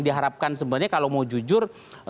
diharapkan sebenarnya kalau mau jujur